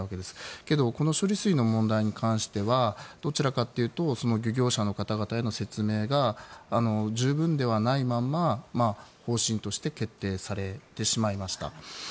しかし、処理水の問題に関してはどちらかというと漁業者の方への説明が十分ではないまま方針として決定されてしまいました。